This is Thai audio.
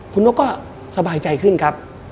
คุณนกก็สบายใจขึ้นครับ